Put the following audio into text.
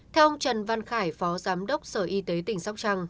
theo ông trần văn khải phó giám đốc sở y tế tỉnh sóc trăng